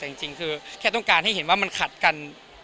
แต่จริงคือแค่ต้องการให้เห็นว่ามันขัดกัน